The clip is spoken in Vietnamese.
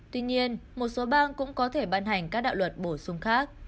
tuy nhiên một số bang cũng có thể ban hành các đạo luật bổ sung khác